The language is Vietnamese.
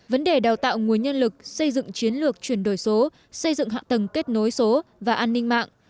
vấn đề đào tạo nguồn nhân lực xây dựng chiến lược chuyển đổi số xây dựng hạ tầng kết nối số và an ninh mạng